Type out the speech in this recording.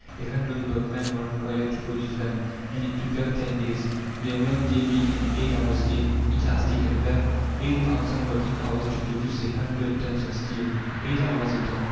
A hundred workmen were required to produce them, and it took them ten days. Their work day being an eight hours day, it has taken them eight thousand working hours to produce a hundred tons of steel eight hours a ton."